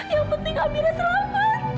yang penting amira selamat